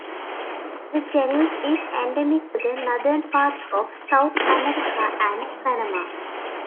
The genus is endemic to the northern part of South America and Panama.